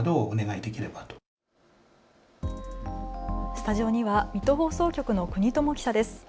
スタジオには水戸放送局の國友記者です。